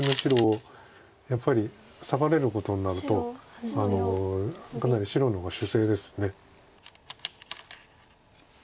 やっぱり裂かれることになるとかなり白の方が守勢です。